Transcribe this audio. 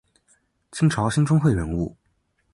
清朝兴中会人物。